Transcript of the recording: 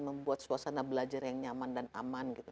membuat suasana belajar yang nyaman dan aman gitu